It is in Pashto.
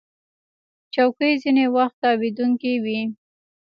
چوکۍ ځینې وخت تاوېدونکې وي.